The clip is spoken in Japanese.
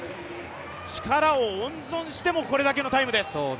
力を温存してもこれだけのタイムです。